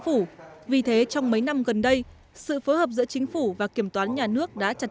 phủ vì thế trong mấy năm gần đây sự phối hợp giữa chính phủ và kiểm toán nhà nước đã chặt